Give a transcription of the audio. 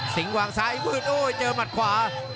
สิงค์วางซ้ายพื้นโอ้ยเจอหมัดขวา